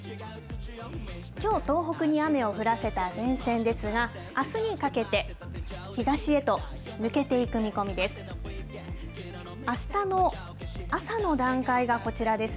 きょう、東北に雨を降らせた前線ですが、あすにかけて、東へと抜けていく見込みです。